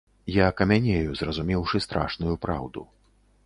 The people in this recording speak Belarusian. Я камянею, зразумеўшы страшную праўду.